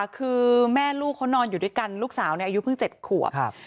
คือแม่ลูกเขานอนอยู่ด้วยกันลูกสาวอายุเพิ่ง๗ขวบ